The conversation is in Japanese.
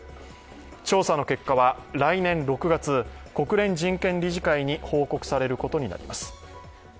調査の結果は来年６月、国連人権理事会に報告されることになります。